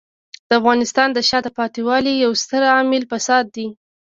د افغانستان د شاته پاتې والي یو ستر عامل فساد دی.